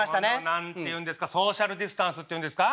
何て言うんですかソーシャルディスタンスって言うんですか？